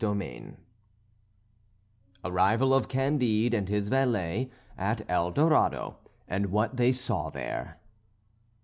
XVII ARRIVAL OF CANDIDE AND HIS VALET AT EL DORADO, AND WHAT THEY SAW THERE.